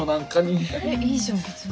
えっいいじゃん別に。